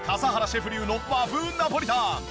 シェフ流の和風ナポリタン。